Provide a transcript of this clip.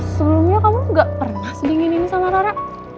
sebelumnya kamu gak pernah sedingin ini sama rara